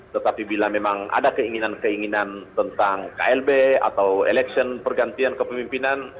tetapi bila memang ada keinginan keinginan tentang klb atau election pergantian kepemimpinan